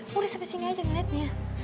boleh sampe sini aja nge liatnya